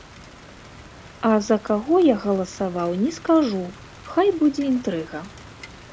А за каго я галасаваў, не скажу, хай будзе інтрыга.